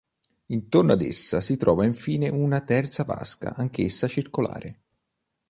Intorno ad essa si trova infine una terza vasca anch'essa circolare.